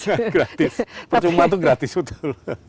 nah ini percuma itu gratis betul